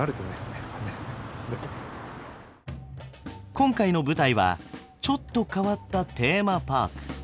今回の舞台はちょっと変わったテーマパーク。